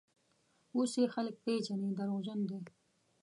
اوس یې خلک پېژني: دروغجن دی.